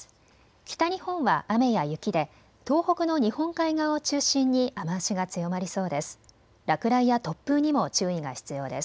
北日本は雨や雪で東北の日本海側を中心に雨足が強まりそうです。